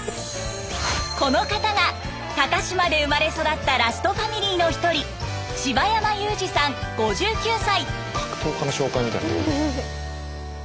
この方が高島で生まれ育ったラストファミリーの一人格闘家の紹介みたい。